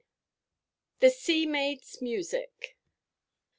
THE SEA MAID'S MUSIC.